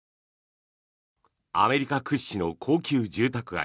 アメリカ屈指の高級住宅街